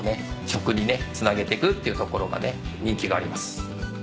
食にねつなげてくっていうところがね人気があります。